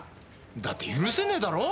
だって許せねえだろ。